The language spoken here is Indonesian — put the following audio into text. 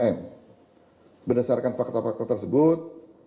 dan berdasarkan fakta fakta tersebut